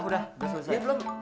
kamu jualan sama siaran